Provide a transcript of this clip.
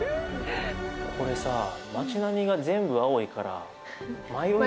これさ街並みが全部青いから迷いそう。